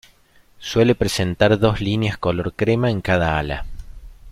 Suele presentar dos líneas color crema en cada ala.